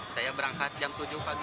saya berangkat jam tujuh pagi